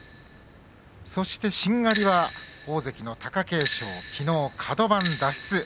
そして、しんがりは大関の貴景勝きのうカド番脱出。